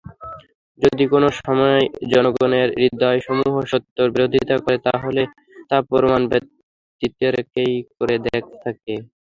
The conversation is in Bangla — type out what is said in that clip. যদি কোন সময় জনগণের হৃদয়সমূহ সত্যের বিরোধিতা করে তাহলে তা প্রমাণ ব্যতিরেকেই করে থাকে।